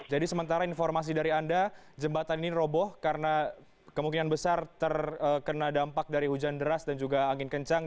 jadi sementara informasi dari anda jembatan ini roboh karena kemungkinan besar terkena dampak dari hujan deras dan juga angin kencang